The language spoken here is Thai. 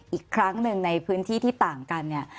อีกครั้งหนึ่งในพื้นที่ที่ต่างกันเนี่ย